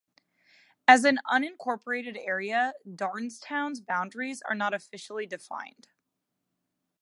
As an unincorporated area, Darnestown's boundaries are not officially defined.